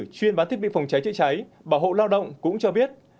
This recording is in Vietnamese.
chuyên bán thiết bị phòng cháy chữa cháy bảo hộ lao động cũng cho biết